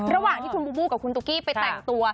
ระหว่างที่คุณบูบูกับคุณตุ๊กกี้ไปแต่งตัว